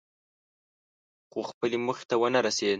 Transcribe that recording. خو خپلې موخې ته ونه رسېد.